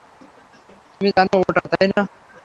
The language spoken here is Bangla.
তুমি জানো ওটা, তাই না?